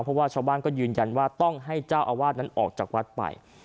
เพราะว่าชาวบ้านก็ยืนยันว่าต้องให้เจ้าอาวาสนั้นออกจากวัดไป